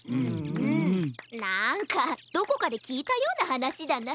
なんかどこかできいたようなはなしだな。